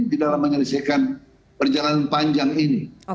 di dalam menyelesaikan perjalanan panjang ini